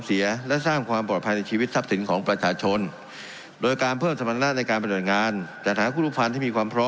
เพิ่มประสิทธิภาพการเตือนภัยภิบัตร